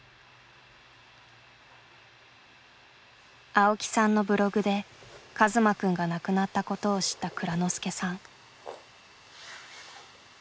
青木さんのブログで一馬くんが亡くなったことを知った蔵之介さん。